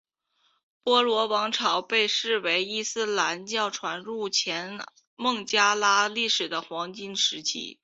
波罗王朝被视为伊斯兰教传入前孟加拉历史的黄金时期。